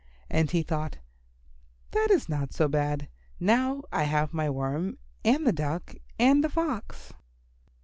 And he thought, "That is not so bad. Now I have my Worm and the Duck and the Fox."